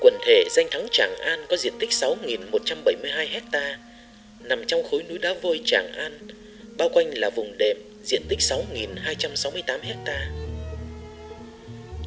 quần thể danh thắng tràng an có diện tích sáu một trăm bảy mươi hai hectare nằm trong khối núi đá vôi tràng an bao quanh là vùng đệm diện tích sáu hai trăm sáu mươi tám hectare